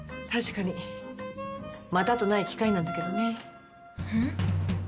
確かにまたとない機会なんだけどね。